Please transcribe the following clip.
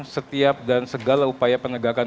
setiap dan segala upaya penegakan